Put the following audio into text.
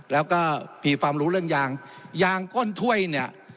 แล้วก็มีความรู้เรื่องยางยางก้นถ้วยเนี่ย